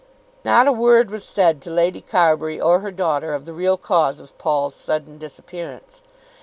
Not a word was said to Lady Carbury or her daughter of the real cause of Paul's sudden disappearance.